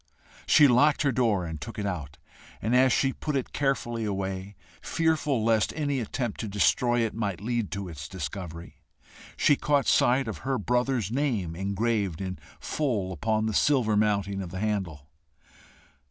She locked her door and took it out, and as she put it carefully away, fearful lest any attempt to destroy it might lead to its discovery, she caught sight of her brother's name engraved in full upon the silver mounting of the handle.